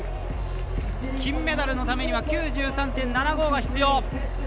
金メダルのためには９３．７５が必要。